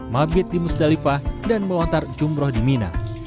mabit di musdalifah dan melontar jumroh di mina